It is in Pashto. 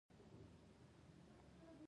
ټپي ته باید د سولې نغمه واورو.